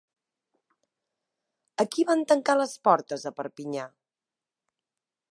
A qui van tancar les portes a Perpinyà?